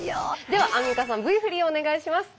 ではアンミカさんＶ振りをお願いします。